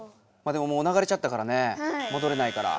でももう流れちゃったからねもどれないから。